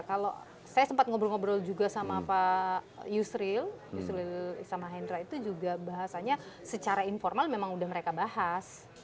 kalau saya sempat ngobrol ngobrol juga sama pak yusril yusril isamahendra itu juga bahasanya secara informal memang udah mereka bahas